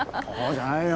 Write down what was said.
じゃないよ